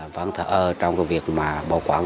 vẫn thở ơ trong cái việc mà